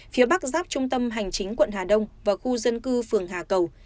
phía bắc giáp trung tâm hành chính quận hà đông và khu dân cư phường hà cầu